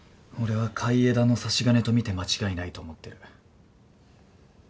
俺は海江田の差し金と見て間違いないと思ってる。